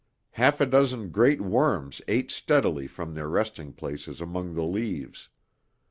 Half a dozen great worms ate steadily from their resting places among the leaves.